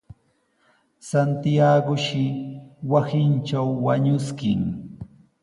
Santiagoshi wasintraw wañuskin.